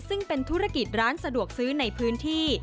ซึ่งเป็นธุรกิจร้านสะดวกซื้อในพื้นที่